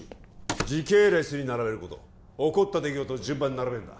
時系列に並べること起こった出来事を順番に並べるんだ